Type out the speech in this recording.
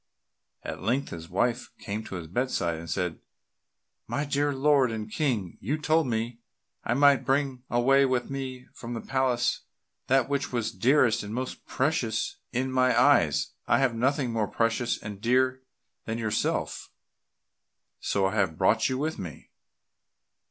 At length his wife came to his bedside and said, "My dear lord and King, you told me I might bring away with me from the palace that which was dearest and most precious in my eyes I have nothing more precious and dear than yourself, so I have brought you with me."